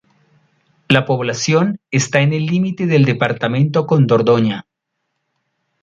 La población está en el límite del departamento con Dordoña.